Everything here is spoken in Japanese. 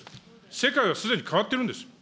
世界はすでに変わってるんです。